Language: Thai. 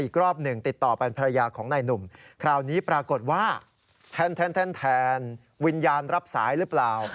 ของนายหนุ่มคราวนี้ปรากฏว่าแทนวิญญาณรับสายหรือเปล่า